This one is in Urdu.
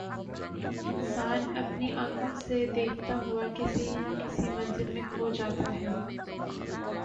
انسان اپنی آنکھوں سے دیکھتا ہوا کسی نہ کسی منظر میں کھو جاتا ہے